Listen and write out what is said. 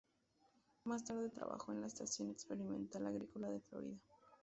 Más tarde trabajó en la Estación Experimental Agrícola de Florida.